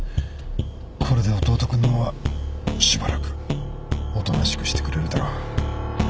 これで弟君の方はしばらくおとなしくしてくれるだろう。